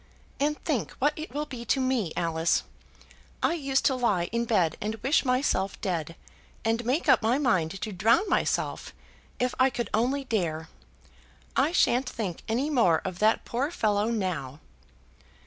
"And think what it will be to me, Alice. I used to lie in bed and wish myself dead, and make up my mind to drown myself, if I could only dare. I shan't think any more of that poor fellow now."